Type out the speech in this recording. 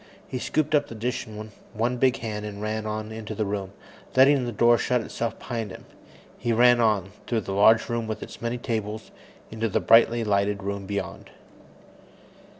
He scooped up the dish in one big hand and ran on into the room, letting the door shut itself behind him. He ran on, through the large room with its many tables, into the brightly lighted room beyond.